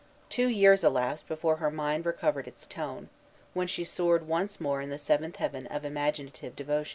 Two years elapsed before her mind recovered its tone, when she soared once more in the seventh heaven of imaginative devotion.